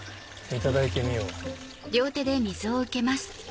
いただいてみよう。